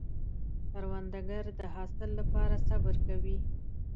کروندګر د حاصل له پاره صبر کوي